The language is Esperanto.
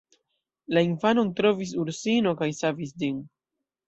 La infanon trovis ursino kaj savis ĝin.